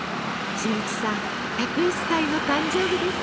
俊一さん１０１歳の誕生日です。